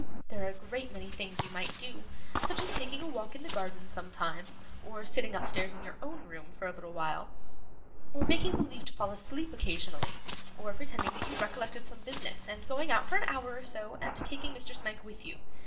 There are a great many things you might do; such as taking a walk in the garden sometimes, or sitting upstairs in your own room for a little while, or making believe to fall asleep occasionally, or pretending that you recollected some business, and going out for an hour or so, and taking Mr. Smike with you.